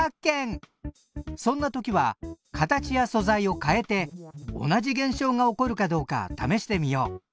そんな時は形や素材を変えて同じ現象が起こるかどうか試してみよう！